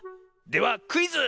ではクイズ！